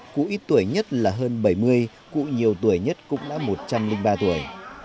cụ ít tuổi nhất là hơn bảy mươi cụ nhiều tuổi nhất cũng đã một trăm linh ba tuổi